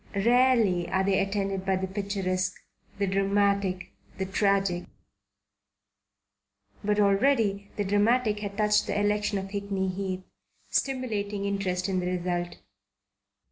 Rarely are they attended by the picturesque, the dramatic, the tragic. But already the dramatic had touched the election of Hickney Heath, stimulating interest in the result.